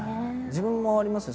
自分もありますよ。